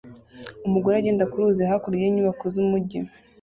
Umugore agenda ku ruzi hakurya y'inyubako z'umujyi